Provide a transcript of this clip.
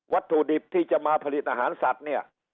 ถุดิบที่จะมาผลิตอาหารสัตว์เนี่ย